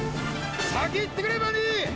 先行ってくれバニー！